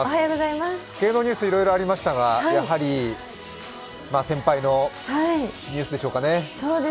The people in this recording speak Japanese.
芸能ニュースいろいろありましたが、やはり先輩のニュースでしょうかね？